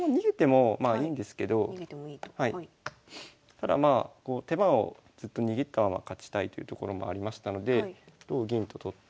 ただまあ手番をずっと握ったまま勝ちたいというところもありましたので同銀と取って。